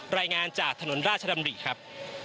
รายงานจากถนนราชดำริครับ